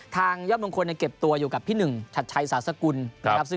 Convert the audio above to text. ทางยอดมงคลเก็บตัวอยู่กับพี่หนึ่งชัดใช้ศาสตร์สกุล